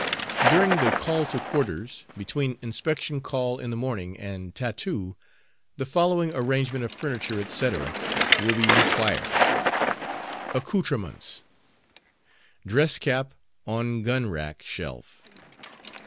During the "Call to Quarters," between "Inspection Call" in the morning and "Tattoo," the following Arrangement of Furniture, etc., will be required: ACCOUTREMENTS. Dress Cap On gun rack shelf.